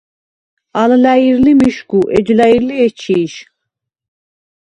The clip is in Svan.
ალ ლა̈ირ ლი მიშგუ, ეჯ ლა̈ირ ლი ეჩი̄შ.